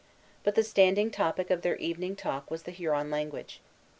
But the standing topic of their evening talk was the Huron language.